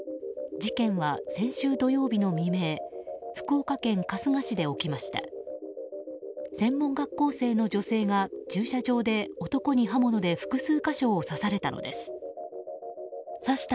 事件は、先週土曜日の未明福岡県春日市で起きました。